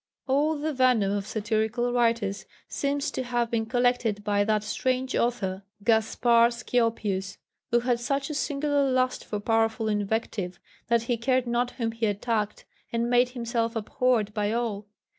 All the venom of satirical writers seems to have been collected by that strange author Gaspar Scioppius, who had such a singular lust for powerful invective that he cared not whom he attacked, and made himself abhorred by all.